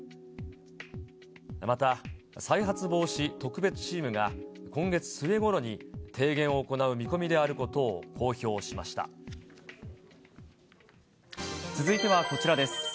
また、再発防止特別チームが今月末ごろに提言を行う見込みであることを続いてはこちらです。